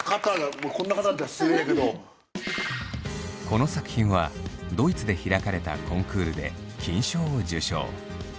この作品はドイツで開かれたコンクールで金賞を受賞。